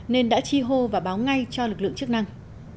nên đã chi hô và báo ngay cho lực lượng chức năng